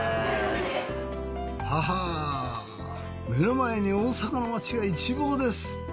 はは目の前に大阪の街が一望です。